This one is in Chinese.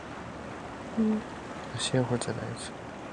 曾获中国国家科技进步一等奖。